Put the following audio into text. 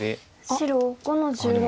白５の十六。